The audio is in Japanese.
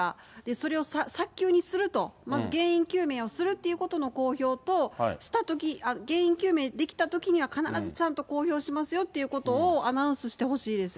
それを早急にすると、まず原因究明をするっていうことの公表と、したとき、原因究明できたときには、必ずちゃんと公表しますよということをアナウンスしてほしいです